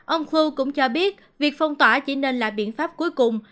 ông khu cũng cho biết việc phong tỏa chỉ nên là biện pháp cuối cùng